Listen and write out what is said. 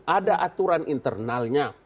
ada aturan internalnya